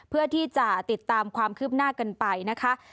เพื่อที่จะติดตามความคืบหน้ากันไปนะคะ